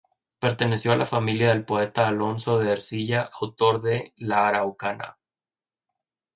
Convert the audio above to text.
Perteneció a la familia del poeta Alonso de Ercilla, autor de "La Araucana".